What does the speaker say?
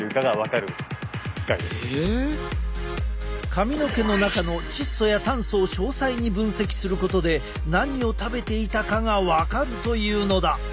髪の毛の中の窒素や炭素を詳細に分析することで何を食べていたかが分かるというのだ。